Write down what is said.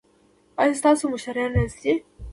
ایا ستاسو مشتریان راضي دي؟